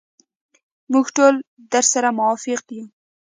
موږ ټول درسره موافق یو.